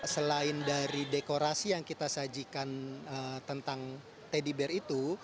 selain dari dekorasi yang kita sajikan tentang teddy bear itu